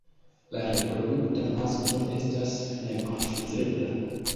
La reprodukta masklo estas nekonfuzebla.